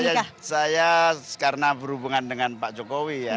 ya saya karena berhubungan dengan pak jokowi ya